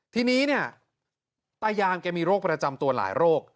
ทีนี้เนี่ยตายางแกมีโรคประจำตัวหลายโรค